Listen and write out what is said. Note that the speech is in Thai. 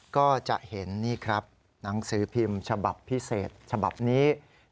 ก็จะเห็นนี่ครับหนังสือพิมพ์ฉบับพิเศษฉบับนี้